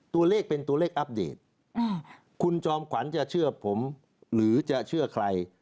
ตัวเลขเป็นตัวเลขอัปเดตคุณจอมขวัญจะเชื่อผมหรือจะเชื่อใคร